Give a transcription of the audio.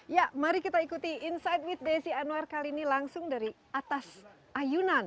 ya mari kita ikuti insight with desi anwar kali ini langsung dari atas ayunan